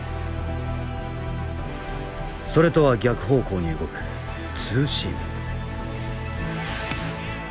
それとは逆方向に動くツーシーム。